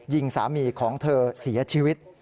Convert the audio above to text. ยิงสามีของเธอเสียชีวิต